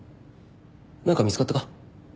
何か見つかったか？